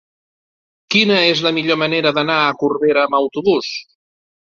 Quina és la millor manera d'anar a Corbera amb autobús?